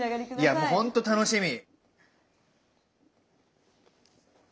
いやもうほんと楽しみ。